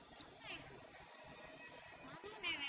habislah di situ